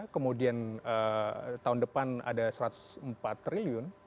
kemudian tahun depan ada satu ratus empat triliun